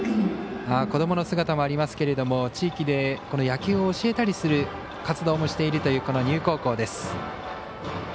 子どもの姿もありますが地域で野球を教えたりする活動もしているというこの丹生高校です。